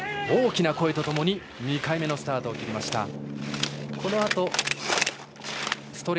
大きな声とともに２回目のスタートを切りました。